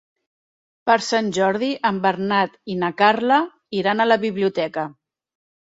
Per Sant Jordi en Bernat i na Carla iran a la biblioteca.